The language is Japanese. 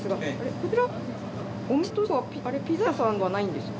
こちらお店としてはピザ屋さんではないんですか？